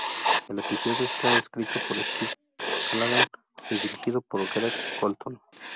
El episodio está escrito por Steve Callaghan y dirigido por Greg Colton.